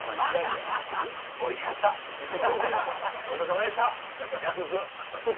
ごちそうさまでしたやすす！